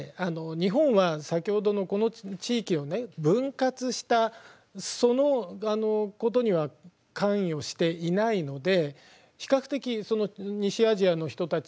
日本は先ほどのこの地域をね分割したそのことには関与していないので比較的その西アジアの人たち